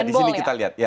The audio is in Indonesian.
di sini kita lihat